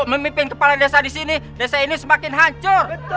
memimpin kepala desa di sini desa ini semakin hancur